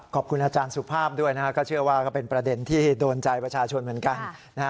ขอบคุณอาจารย์สุภาพด้วยนะครับก็เชื่อว่าก็เป็นประเด็นที่โดนใจประชาชนเหมือนกันนะฮะ